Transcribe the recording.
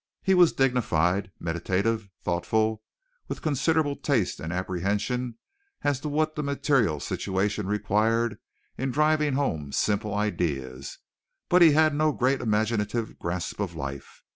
He was dignified, meditative, thoughtful, with considerable taste and apprehension as to what the material situation required in driving home simple ideas, but he had no great imaginative grasp of life.